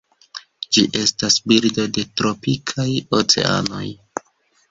Ĝi estas birdo de tropikaj oceanoj.